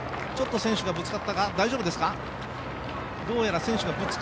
選手がぶつかったか、大丈夫ですか？